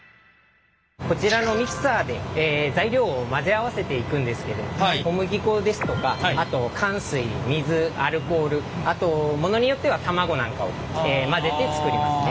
こちらのミキサーで材料を混ぜ合わせていくんですけれど小麦粉ですとかあとかん水水アルコールあとものによっては卵なんかを混ぜて作りますね。